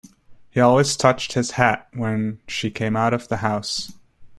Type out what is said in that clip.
He always touched his hat when she came out of the house.